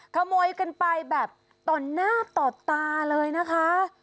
ขโมยกันไปแบบต่อหน้าต่อตาเลยนะคะ